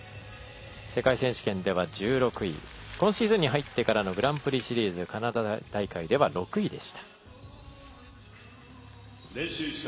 世界選手権では１６位今シーズンに入ってからのグランプリシリーズカナダ大会では６位でした。